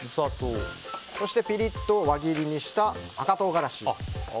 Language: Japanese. そしてピリッと輪切りにした赤唐辛子。